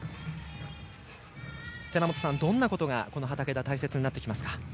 寺本さん、どんなことが畠田は大切になりますか。